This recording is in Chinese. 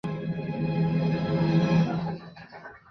卡拉瓦乔同时代的画家对此持截然不同的两种观点。